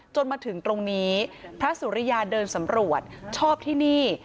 จนมาถึงตรงนี้พระสุริยาเดินสำรวจชอบที่นี่